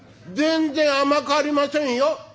全然甘くありませんよ？」。